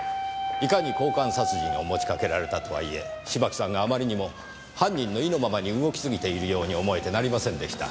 いかに交換殺人を持ちかけられたとはいえ芝木さんがあまりにも犯人の意のままに動きすぎているように思えてなりませんでした。